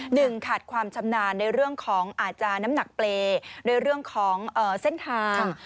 หนึ่งขาดความชำนาญในเรื่องของอาจจะน้ำหนักเปรย์ในเรื่องของเส้นทาง